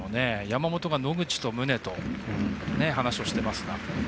山本が野口と宗と話をしていますが。